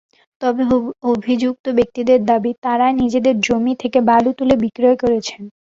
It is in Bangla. তবে অভিযুক্ত ব্যক্তিদের দাবি, তাঁরা নিজেদের জমি থেকে বালু তুলে বিক্রি করছেন।